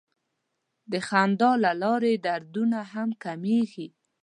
د خندا له لارې دردونه هم کمېږي.